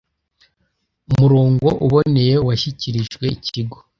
murongo uboneye uwashyikirijwe ikigo